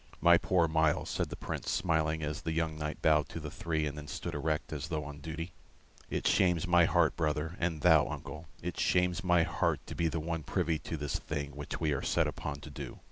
"My poor Myles," said the Prince, smiling, as the young knight bowed to the three, and then stood erect, as though on duty. "It shames my heart, brother and thou, uncle it shames my heart to be one privy to this thing which we are set upon to do.